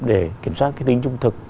để kiểm soát cái tính trung thực